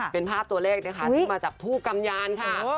เป็นภาพตัวเลขนะคะที่มาจากทูบกำยานค่ะ